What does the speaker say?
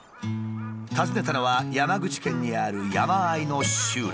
訪ねたのは山口県にある山あいの集落。